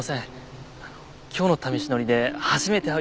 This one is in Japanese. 今日の試し乗りで初めて会う予定でしたから。